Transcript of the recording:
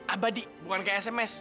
abadi bukan kayak sms